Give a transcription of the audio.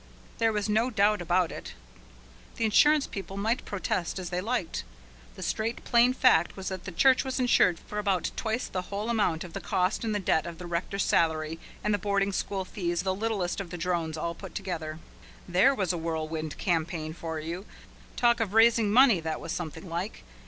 There was no doubt about it. The insurance people might protest as they liked. The straight, plain fact was that the church was insured for about twice the whole amount of the cost and the debt and the rector's salary and the boarding school fees of the littlest of the Drones all put together. There was a Whirlwind Campaign for you! Talk of raising money, that was something like!